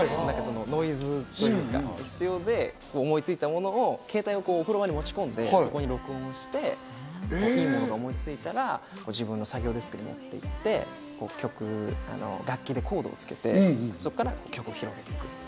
ノイズというか、必要で、思いついたものを携帯をお風呂場に持ち込んで、そこで録音して、思いついたら、自分の作業デスクに行って楽器でコードをつけて、曲を広げていく。